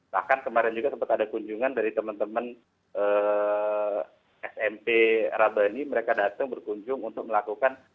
bahkan kemarin juga sempat ada kunjungan dari teman teman smp rabani mereka datang berkunjung untuk melakukan